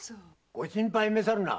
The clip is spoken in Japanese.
ご心配めさるな。